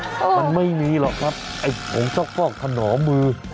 ประมาณนั้นโอ้โฮมันไม่มีหรอกครับไอ้ผงสะฟอกขนอมือ